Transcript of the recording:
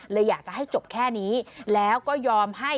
อยากจะให้จบแค่นี้แล้วก็ยอมให้